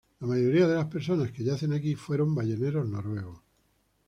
La mayoría de las personas que yacen aquí fueron balleneros noruegos.